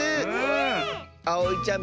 あおいちゃん